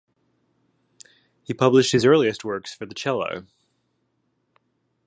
He published his earliest works for the cello.